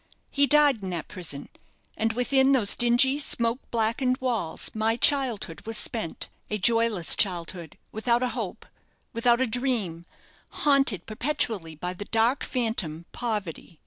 He died in that prison, and within those dingy smoke blackened walls my childhood was spent a joyless childhood, without a hope, without a dream, haunted perpetually by the dark phantom, Poverty.